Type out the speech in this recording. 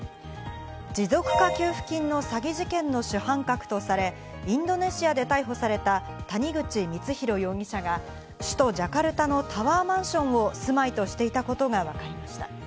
持続化給付金の詐欺事件の主犯格とされ、インドネシアで逮捕された谷口光弘容疑者が首都ジャカルタのタワーマンションを住まいとしていたことがわかりました。